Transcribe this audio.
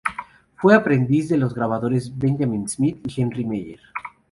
Fue aprendiz de los grabadores Benjamin Smith y Henry Meyer.